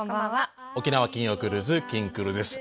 「沖縄金曜クルーズきんくる」です。